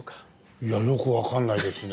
いやよく分かんないですね。